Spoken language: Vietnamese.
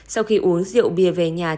sau khi uống rượu bia về nhà